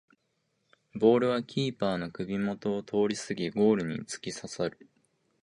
ボールはキーパーの首もとを通りすぎゴールにつきささる